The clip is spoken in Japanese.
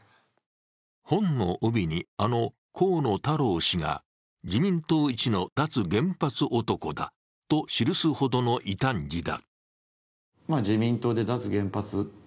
本の帯にあの河野太郎氏が「自民党一の脱原発男だ」と記すほどの異端児だ。